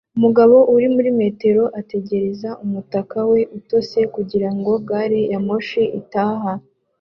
Umugabo uri muri metero ategereza umutaka we utose kugirango gari ya moshi itaha